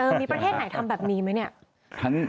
มีประเทศไหนทำแบบนี้ไหมเนี่ย